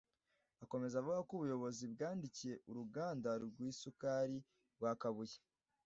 Akomeza avuga ko ubuyobozi bwandikiye uruganda rw’isukari rwa Kabuye